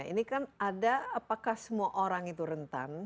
ini kan ada apakah semua orang itu rentan